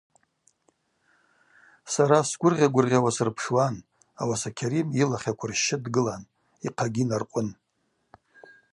Сара сгвыргъьа-гвыргъьауа сырпшуан, ауаса Кьарим йылахь аквырщщы дгылан, йхъагьи наркъвын.